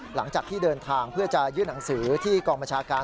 หลังจากที่เดินทางเพื่อจะยื่นหนังสือที่กองบัญชาการ